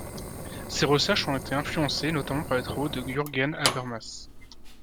Ses recherches ont été influencés notamment par les travaux de Jürgen Habermas.